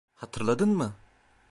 Hatırladın mı?